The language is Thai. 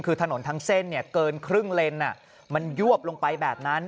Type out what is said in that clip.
คือถนนทั้งเส้นเกินครึ่งเลนมันยวบลงไปแบบนั้น